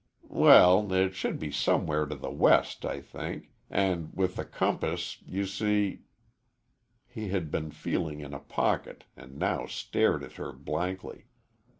"Well, it should be somewhere to the west, I think, and with the compass, you see " He had been feeling in a pocket and now stared at her blankly.